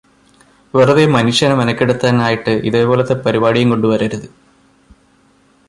വെറുതെ മനുഷ്യനെ മെനക്കെടുത്താൻ ആയിട്ട് ഇതേപോലത്തെ പരിപാടിയും കൊണ്ട് വരരുത്.